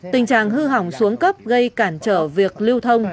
tình trạng hư hỏng xuống cấp gây cản trở việc lưu thông